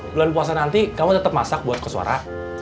bulan puasa nanti kamu tetap masak buat kesuara